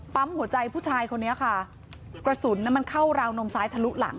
หัวใจผู้ชายคนนี้ค่ะกระสุนมันเข้าราวนมซ้ายทะลุหลัง